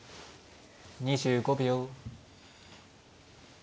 ２５秒。